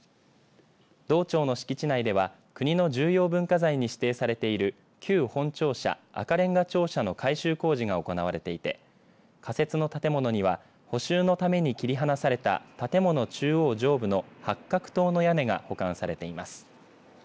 道庁の敷地内では国の重要文化財に指定されている旧本庁舎赤れんが庁舎の改修工事が行われていて仮設の建物には補修のために切り離された建物中央上部の八角塔の屋根が保管されています。